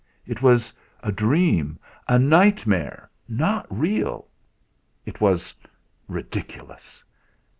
It was a dream, a nightmare not real! It was ridiculous!